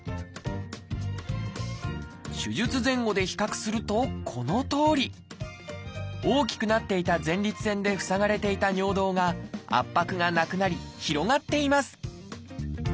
手術前後で比較するとこのとおり。大きくなっていた前立腺で塞がれていた尿道が圧迫がなくなり広がっています。